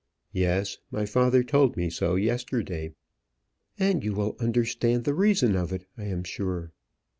"Yes; my father told me so yesterday." "And you will understand the reason of it, I am sure?"